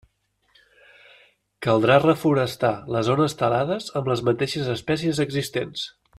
Caldrà reforestar les zones talades amb les mateixes espècies existents.